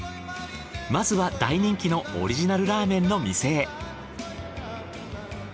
まずは大人気のオリジナルラーメンの店へ。